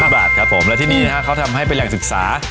๑๐บาทครับโบบัสและที่นี้นะฮะเขาทำให้ไปแหล่งศึกษา